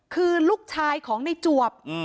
คือลูกชายของในจวบ